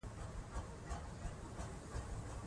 د سوچونو کړکۍ یې بېرته شوه.